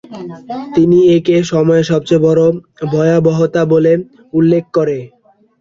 তিনি একে সময়ের সবচেয়ে বড় ভয়াবহতা বলে উল্লেখ করে।